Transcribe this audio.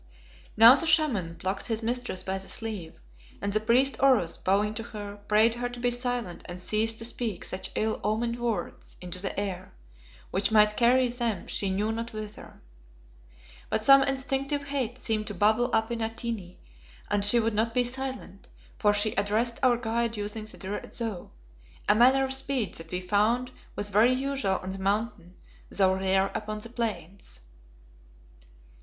Now the Shaman plucked his mistress by the sleeve, and the priest Oros, bowing to her, prayed her to be silent and cease to speak such ill omened words into the air, which might carry them she knew not whither. But some instinctive hate seemed to bubble up in Atene, and she would not be silent, for she addressed our guide using the direct "thou," a manner of speech that we found was very usual on the Mountain though rare upon the Plains.